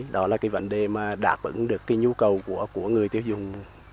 đó là vấn đề mà đạt vững được nhu cầu của người tiêu dùng